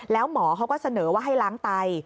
แล้วหมอเขาก็เสนอว่าให้ล้างไต